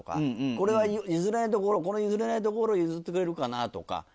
これは譲れないところこの譲れないところ譲ってくれるかなとか。